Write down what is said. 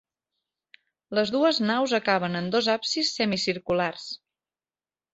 Les dues naus acaben en dos absis semicirculars.